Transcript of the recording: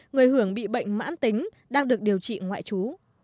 người hưởng bị bệnh mãn tính đang được điều trị ngoại trú